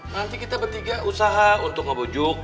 nanti kita bertiga usaha untuk ngebujuk